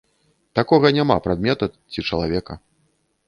Такога няма прадмета ці чалавека.